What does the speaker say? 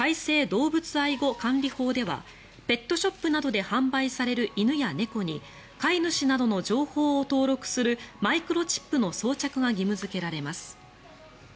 動物愛護管理法ではペットショップなどで販売される犬や猫に飼い主などの情報を登録するマイクロチップの装着が義務付けられます。